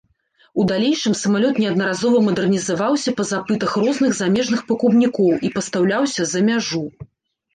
У далейшым самалёт неаднаразова мадэрнізаваўся па запытах розных замежных пакупнікоў і пастаўляўся за мяжу.